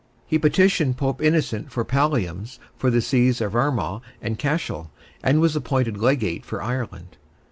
He petitioned Pope Innocent for palliums for the Sees of Armagh and Cashel, and was appointed legate for Ireland.